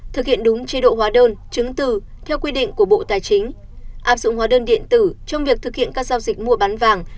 thực hiện đúng chế độ hóa đơn chứng từ theo quy định của bộ tài chính áp dụng hóa đơn điện tử trong việc thực hiện các giao dịch mua bán vàng